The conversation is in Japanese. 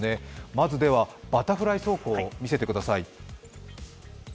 まず、ではバタフライ走行を見せてください。